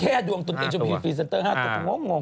แค่ดวงตุ๊ดหญิงจะมีพรีเซนเตอร์๕ตัวผมงง